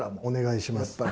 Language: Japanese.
お願いします。